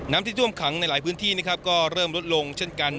น้ำที่ต้วมขังในหลายพื้นที่ก็เริ่มรวดลงเช่นกัน